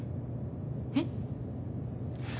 えっ？